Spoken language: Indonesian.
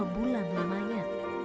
lima bulan lamanya